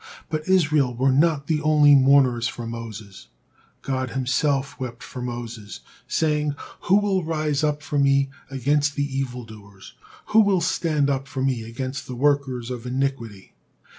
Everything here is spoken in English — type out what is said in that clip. But Israel were not the only mourners for Moses, God himself wept for Moses, saying, "Who will rise up for Me against the evil doers? Who will stand up for Me against the workers of iniquity?"